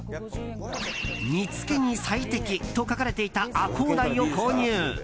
煮つけに最適と書かれていたアコウダイを購入。